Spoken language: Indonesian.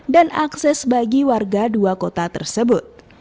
dan akses bagi warga dua kota tersebut